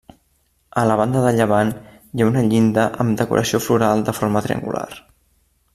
A la banda de llevant hi ha una llinda amb decoració floral de forma triangular.